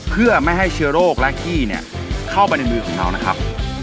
เพื่อไม่ให้เชื้อโรคและขี้เนี่ยเข้าไปในมือของเรานะครับ